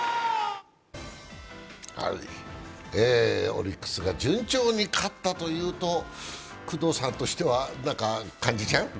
オリックスが順調に勝ったというと、工藤さんとしては何か感じちゃう？